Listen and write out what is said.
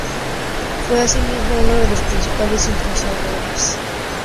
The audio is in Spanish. Fue, asimismo, uno de los principales impulsores de la introducción del ferrocarril en Mallorca.